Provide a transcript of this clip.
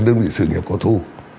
đơn vị sự nghiệp có thu